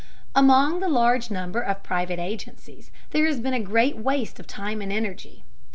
Among the large number of private agencies there has been a great waste of time and energy.